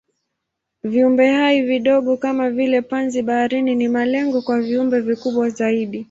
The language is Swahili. Viumbehai vidogo kama vile panzi-bahari ni malengo kwa viumbe vikubwa zaidi.